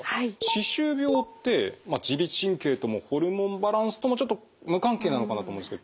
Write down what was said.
歯周病って自律神経ともホルモンバランスともちょっと無関係なのかなと思うんですけど。